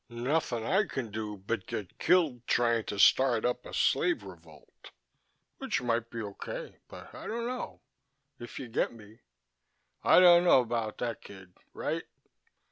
"Nothing I can do but get killed trying to start up a slave revolt. Which might be okay, but I don't know. If you get me I don't know about that, kid. Right?"